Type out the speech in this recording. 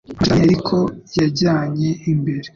amashitani ariko yajyanye imbere